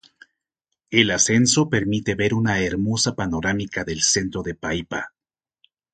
El ascenso permite ver una hermosa panorámica del centro de Paipa.